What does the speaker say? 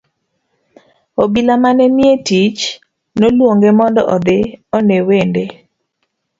Obila mane nitie e tich noluonge mondo odhi one wende.